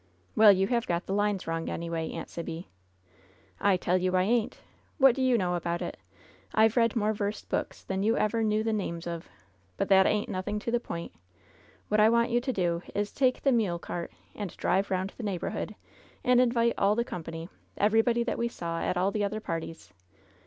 "Well, you have got the lines wrong, anyway. Aunt Sibby." "I tell you I ain't! What do you know about it? I've read more verse books than ever you knew the names of ! But that ain't nothing to the point ! What I want you to do is to take the mule cart and drive round the neighborhood, and invite all the company — everybody that we saw at all the other parties